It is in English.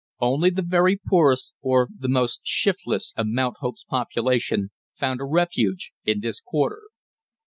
Only the very poorest or the most shiftless of Mount Hope's population found a refuge in this quarter.